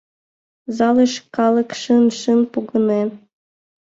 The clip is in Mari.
Залыш калык шыҥ-шыҥ погынен.